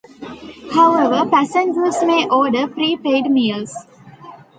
However, passengers may order prepaid meals.